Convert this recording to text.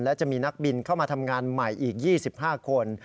และจะมีนักบินเข้ามาทำงานใหม่อีก๒๕คน